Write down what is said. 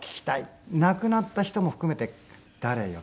亡くなった人も含めて誰呼びたい？